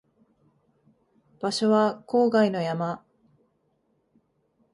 場所は郊外の山